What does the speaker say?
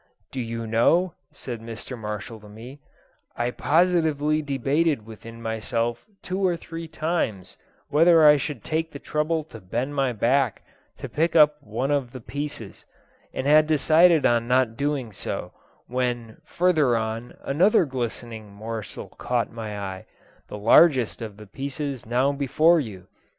'Do you know,' said Mr. Marshall to me, 'I positively debated within myself two or three times whether I should take the trouble to bend my back to pick up one of the pieces, and had decided on not doing so, when, further on, another glittering morsel caught my eye the largest of the pieces now before you.